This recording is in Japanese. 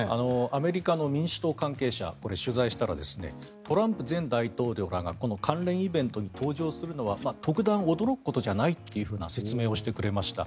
アメリカの民主党関係者取材をしたらトランプ前大統領が関連イベントに登場するのは特段驚くことじゃないというふうな説明をしてくれました。